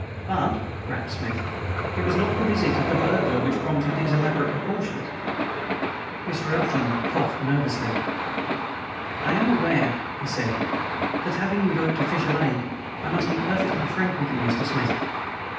"But," rapped Smith, "it was not the visit of the burglar which prompted these elaborate precautions." Mr. Eltham coughed nervously. "I am aware," he said, "that having invoked official aid, I must be perfectly frank with you, Mr. Smith.